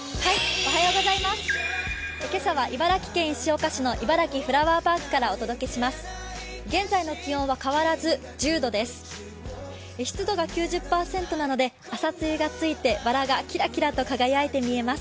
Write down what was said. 今朝は茨城県石岡市のいばらきフラワーパークからお届けします。